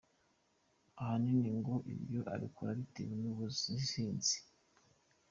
Ahanini ngo ibyo abikora abitewe n’ubusinzi.